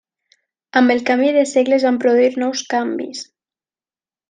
Amb el canvi de segle es van produir nous canvis.